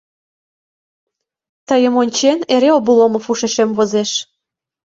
— Тыйым ончен, эре Обломов ушешем возеш.